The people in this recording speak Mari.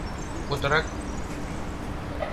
Путырак.